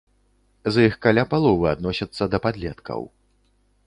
З іх каля паловы адносяцца да палеткаў.